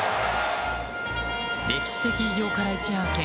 歴史的偉業から一夜明け